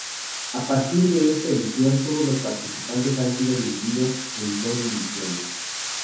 A partir de esta edición, todos los participantes han sido divididos en dos divisiones.